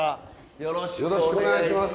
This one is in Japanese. よろしくお願いします。